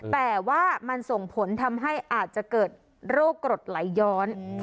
แต่ว่ามันส่งผลทำให้อาจจะเกิดโรคกรดไหลย้อน